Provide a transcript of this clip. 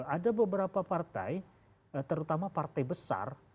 ada beberapa partai terutama partai besar